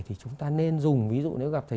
thì chúng ta nên dùng ví dụ nếu gặp thầy